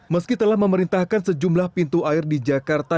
meski telah memerintahkan sejumlah pintu air di jakarta